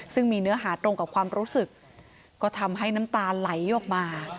ซึ่งมีเนื้อหาตรงกับความรู้สึกก็ทำให้น้ำตาไหลออกมา